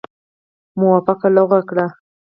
موافقه لغو کړي.